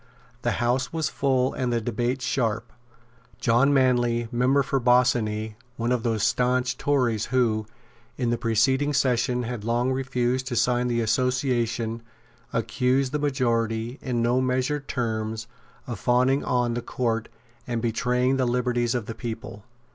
The House was full and the debate sharp. John Manley, member for Bossiney, one of those stanch Tories who, in the preceding session, had long refused to sign the Association, accused the majority, in no measured terms, of fawning on the Court and betraying the liberties of the people.